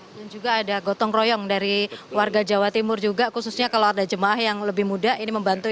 dan juga ada gotong royong dari warga jawa timur juga khususnya kalau ada jemaah yang lebih muda ini maksudnya